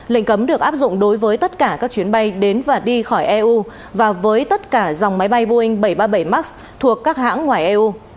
lệnh cấm được áp dụng đối với tất cả các chuyến bay đến và đi khỏi eu và với tất cả dòng máy bay boeing bảy trăm ba mươi bảy max thuộc các hãng ngoài eu